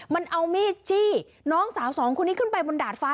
มันเอามีดจี้น้องสาวสองคนนี้ขึ้นไปบนดาดฟ้า